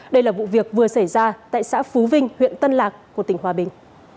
đây là vụ việc vừa xảy ra tại xã phú vinh huyện tân lạc của tỉnh hòa bình